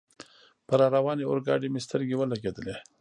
پر را روانې اورګاډي مې سترګې ولګېدلې.